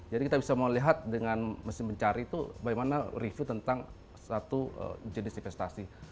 jadi kita bisa melihat dengan mesin pencari itu bagaimana review tentang satu jenis investasi